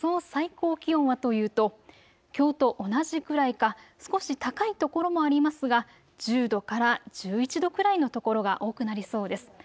最高気温はというと、きょうと同じくらいか少し高い所もありますが１０度から１１度くらいの所が多くなりそうです。